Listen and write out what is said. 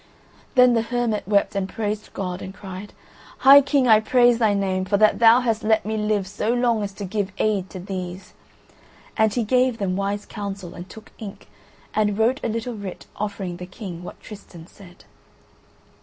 Then the hermit wept and praised God and cried: "High King, I praise Thy Name, for that Thou hast let me live so long as to give aid to these!" And he gave them wise counsel, and took ink, and wrote a little writ offering the King what Tristan said.